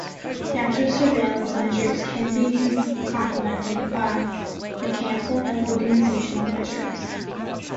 Natural surveillance measures can be complemented by mechanical and organizational measures.